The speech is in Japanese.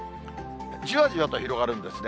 じわじわと広がるんですね。